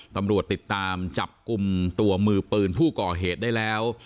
ตำรวจติดตามจับกลุ่มตัวมือปืนผู้ก่อเหตุได้แล้ว